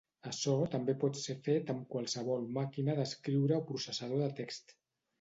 Açò també pot ser fet amb qualsevol màquina d'escriure o processador de text.